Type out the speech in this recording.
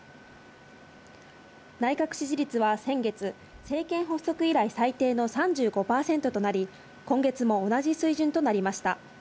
内閣支持率は先月、政権発足以来、最低の３５％となり、今月も同じ水準となりました。